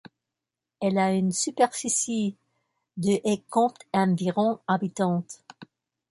Elle a une superficie de et compte environ habitants.